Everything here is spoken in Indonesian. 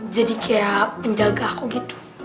jadi kayak penjaga aku gitu